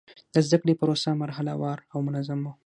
د زده کړې پروسه مرحله وار او منظم و.